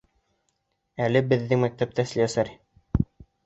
Әле беҙҙең мәктәптә слесарь.